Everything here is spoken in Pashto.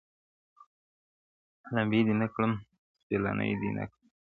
لمبه دي نه کړم سپیلنی دي نه کړم ,